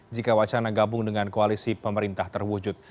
jika wacana gabung dengan koalisi pemerintah terwujud